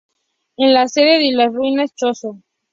Es la sede de unas ruinas Chozo.